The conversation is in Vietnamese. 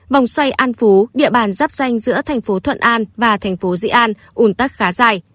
vòng xoay an phú địa bàn dắp danh giữa thành phố thuận an và thành phố dị an ủn tắc khá dài